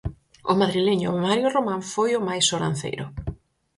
O madrileño Mario Roman foi o máis sobranceiro.